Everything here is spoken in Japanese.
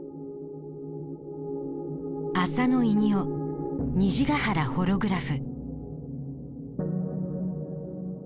浅野いにお「虹ヶ原ホログラフ」。